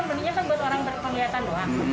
maksudnya kan buat orang berpelihatan doang